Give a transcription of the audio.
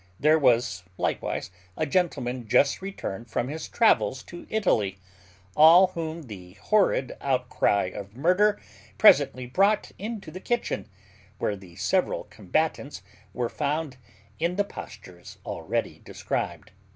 There was likewise a gentleman just returned from his travels to Italy; all whom the horrid outcry of murder presently brought into the kitchen, where the several combatants were found in the postures already described.